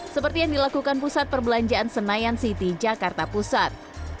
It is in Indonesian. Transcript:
seperti yang dilakukan pusat perbelanjaan senayan city jakarta pusat